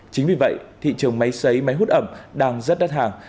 chính vì vậy thị trường máy xấy máy hút ẩm đang rất đắt hàng